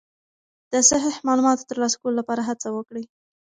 د صحیح معلوماتو ترلاسه کولو لپاره هڅه وکړئ.